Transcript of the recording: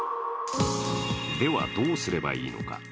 では、どうすればいいのか。